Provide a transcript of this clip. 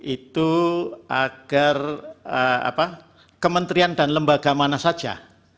itu agar kementerian dan lembaga mana saja